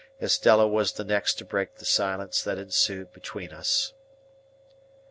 Estella was the next to break the silence that ensued between us.